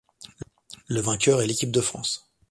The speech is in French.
Le vainqueur est l'équipe de France.